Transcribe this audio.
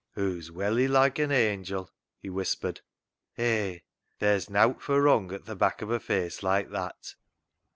" Hoo's welly loike an angil," he whispered. " Hey, theer's nowt fur wrung at th' back of a face loike that."